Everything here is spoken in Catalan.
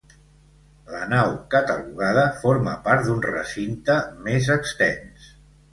La nau catalogada forma part d'un recinte més extens.